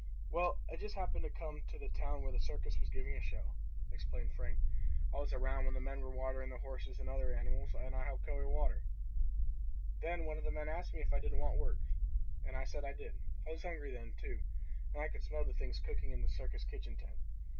"Well, I just happened to come to the town where the circus was giving a show," explained Frank. "I was around when the men were watering the horses and other animals, and I helped carry water. Then one of the men asked me if I didn't want work, and I said I did. I was hungry then, too, and I could smell the things cooking in the circus kitchen tent.